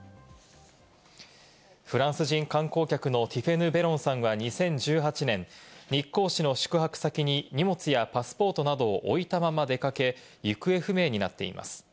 フランス人観光客のティフェヌ・ベロンさんは２０１８年、日光市の宿泊先に荷物やパスポートなどを置いたまま出かけ、行方不明になっています。